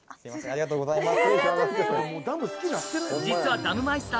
ありがとうございます。